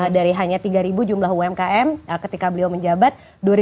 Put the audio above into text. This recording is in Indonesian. dari hanya tiga jumlah umkm ketika beliau menjabat